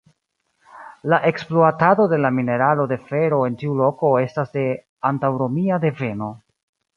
La ekspluatado de la mineralo de fero en tiu loko estas de antaŭromia deveno.